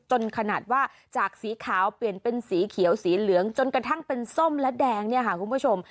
ขนาดว่าจากสีขาวเปลี่ยนเป็นสีเขียวสีเหลืองจนกระทั่งเป็นส้มและแดงเนี่ยค่ะคุณผู้ชม